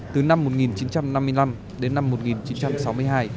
từ năm một nghìn chín trăm năm mươi năm đến năm một nghìn chín trăm sáu mươi hai